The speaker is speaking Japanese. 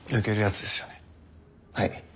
はい。